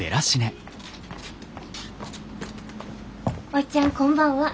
おっちゃんこんばんは。